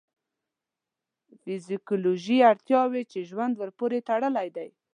فیزیولوژیکې اړتیاوې چې ژوند ورپورې تړلی دی.